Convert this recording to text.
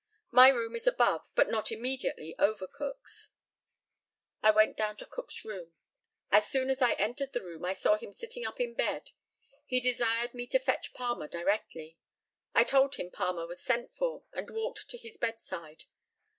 My room is above, but not immediately over Cook's. I went down to Cook's room. As soon as I entered the room I saw him sitting up in bed. He desired me to fetch Palmer directly. I told him Palmer was sent for, and walked to his bedside.